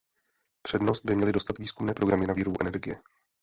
Přednost by měly dostat výzkumné programy na výrobu energie.